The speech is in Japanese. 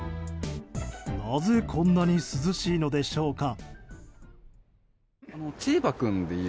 なぜこんなに涼しいのでしょうか。